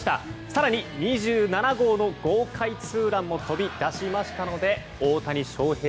更に２７号の豪快ツーランも飛び出しましたので大谷翔平